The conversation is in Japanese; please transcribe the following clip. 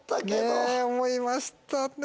ねぇ思いましたね